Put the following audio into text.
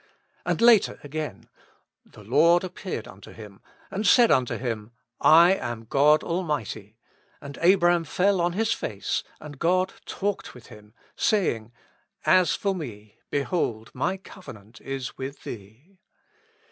And later again: "The Lord appeared unto him, and said unto him, I am God Almighty. And Abram fell on his face, and God talked with him, saying, As for Me, behold my covenant is with thee."